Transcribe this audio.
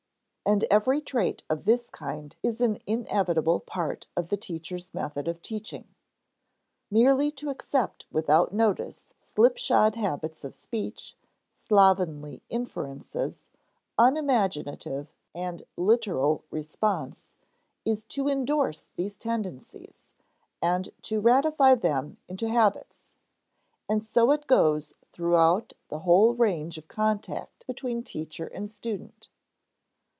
And every trait of this kind is an inevitable part of the teacher's method of teaching. Merely to accept without notice slipshod habits of speech, slovenly inferences, unimaginative and literal response, is to indorse these tendencies, and to ratify them into habits and so it goes throughout the whole range of contact between teacher and student.